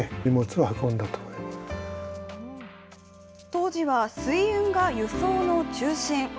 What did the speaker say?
当時は水運が輸送の中心。